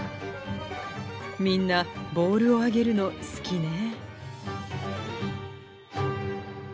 みんなボールをあげるの好きね。